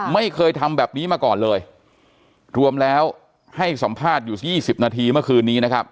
ไม่เคยทำแบบนี้มาก่อนเลยรวมแล้วให้สัมภาษณ์อยู่๒๐นาทีเมื่อคืนนี้นะครับ